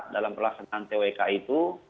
dalam perlaksanaan twk itu